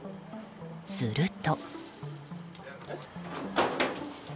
すると。